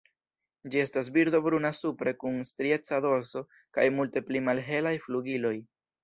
Ĝi estas birdo bruna supre kun strieca dorso kaj multe pli malhelaj flugiloj.